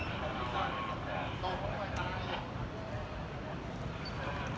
อันที่สุดท้ายก็คือภาษาอันที่สุดท้าย